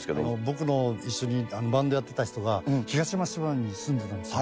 僕の一緒にバンドやってた人が東松島に住んでたんですよ。